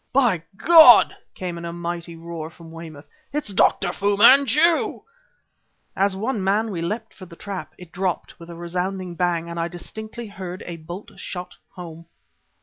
"By God!" came in a mighty roar from Weymouth. "It's Dr. Fu Manchu!" As one man we leapt for the trap. It dropped, with a resounding bang and I distinctly heard a bolt shot home.